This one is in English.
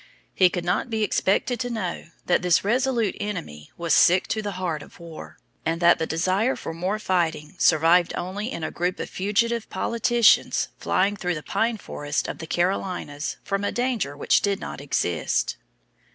He could not be expected to know that this resolute enemy was sick to the heart of war, and that the desire for more fighting survived only in a group of fugitive politicians flying through the pine forests of the Carolinas from a danger which did not exist.